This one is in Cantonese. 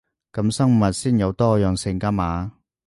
噉生物先有多樣性 𠺢 嘛